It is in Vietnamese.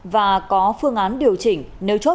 và có phương án điều chỉnh nếu chốt